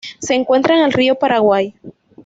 Se encuentra en el río Paraguay.